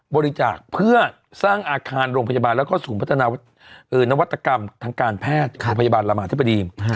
บริจาคเพื่อสร้างอาคารโรงพยาบาลแล้วก็ศูนย์พัฒนานวัตกรรมทางการแพทย์โรงพยาบาลรามาธิบดี